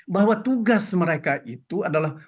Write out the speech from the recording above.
bahwa tugas mereka itu adalah